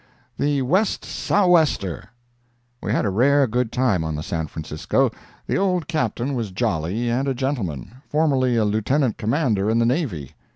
THE "WEST SOU' WESTER" We had a rare good time on the San Francisco. The old Captain was jolly, and a gentleman—formerly a Lieutenant Commander in the navy.